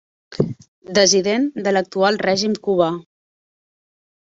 Dissident de l'actual règim cubà.